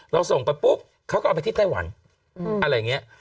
ส่งไปปุ๊บเขาก็เอาไปที่ไต้หวันอะไรอย่างนี้